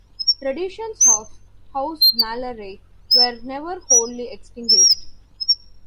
Traditions of "hausmalerei" were never wholly extinguished.